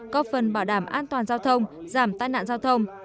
có phần bảo đảm an toàn giao thông giảm tai nạn giao thông